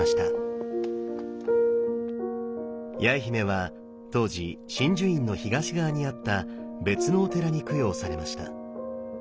八重姫は当時眞珠院の東側にあった別のお寺に供養されました。